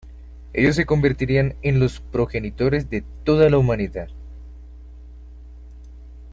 Ellos se convertirían en los progenitores de toda la humanidad.